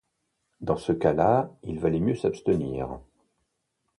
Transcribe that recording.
Dans ce cas-là, il valait mieux s’abstenir.